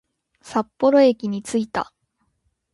札幌駅に着いた